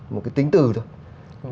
một cái tính từ thôi